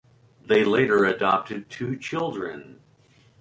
They later adopted two children.